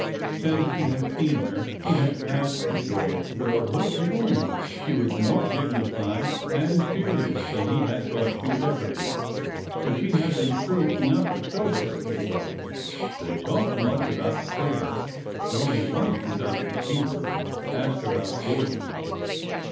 Since he had seen her, she had passed from joyous girlhood to womanhood. She was more dignified and serious than he had thought she would ever be, but she had been through enough to sober her, he thought. They talked much about the prairie, but only once did Dr. Cheever ask about Gordon.